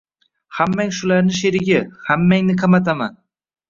Hammang shularni sherigi, hammangni qamataman!